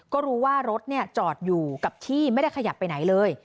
ก็รู้ว่ารถจอดอยู่กับที่ไม่ได้ขยับไปไหนเลย